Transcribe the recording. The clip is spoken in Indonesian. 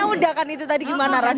udah kan itu tadi gimana rasanya